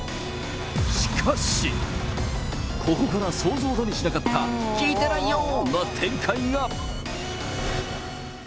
しかし、ここから想像だにしなかった聞いてないよーな展開が。